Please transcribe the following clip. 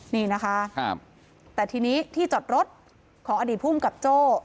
นี่นะคะแต่ทีนี้ที่จอดรถของอดีตภูมิกับโจ้